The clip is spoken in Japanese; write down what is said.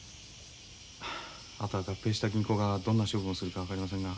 あとは合併した銀行がどんな処分をするか分かりませんが。